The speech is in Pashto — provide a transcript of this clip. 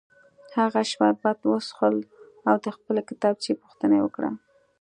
هغه شربت وڅښل او د خپلې کتابچې پوښتنه یې وکړه